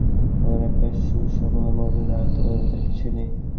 এমন একটা সুমহান মর্যাদা যার তুল্য আর কিছুই নেই।